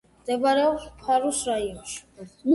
მდებარეობს ფარუს რაიონში.